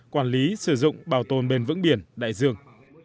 quản lý sử dụng bảo tồn bền vững biển đại dương